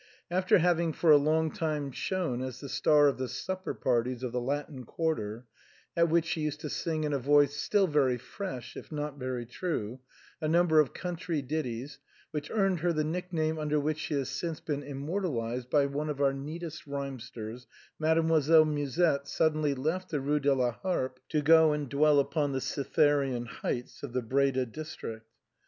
After having for a long time shone as the star of the supper parties of the Latin Quarter, at which she used to sing in a voice, still very fresh if not very true, a number of country ditties, which earned her the nick name under which she has since been immortalized by one of our neatest rhymesters, Mademoiselle Musette suddenly left the Eue de la Harpe to go and dwell upon the Cyth erean heights of the Breda district.